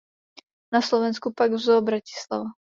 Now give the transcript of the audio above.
Na Slovensku pak v Zoo Bratislava.